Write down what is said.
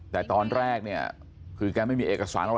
แต่ตอนแรกเนี่ยคือแกไม่มีเอกสารอะไร